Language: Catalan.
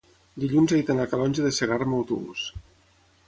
dilluns he d'anar a Calonge de Segarra amb autobús.